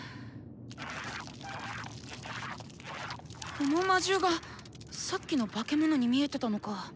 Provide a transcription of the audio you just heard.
この魔獣がさっきの化け物に見えてたのか。